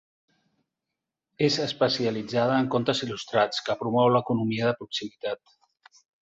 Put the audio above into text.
És especialitzada en contes il·lustrats que promou l'economia de proximitat.